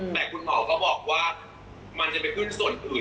แต่คุณหมอก็บอกว่ามันจะไปขึ้นส่วนอื่น